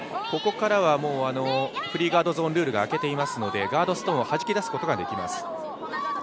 ここからはもうフリーガードゾーンルールが明けていますのでガードストーンをはじき出すことができます。